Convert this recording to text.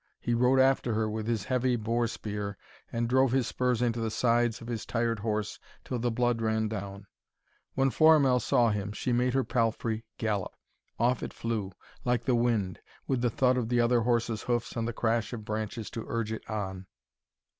He rode after her with his heavy boar spear, and drove his spurs into the sides of his tired horse till the blood ran down. When Florimell saw him, she made her palfrey gallop. Off it flew, like the wind, with the thud of the other horse's hoofs and the crash of branches to urge it on.